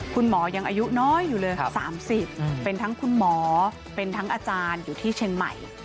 คุณหมอยังอายุน้อยอยู่เลย๓๐เป็นทั้งคุณหมอเป็นทั้งอาจารย์อยู่ที่เชียงใหม่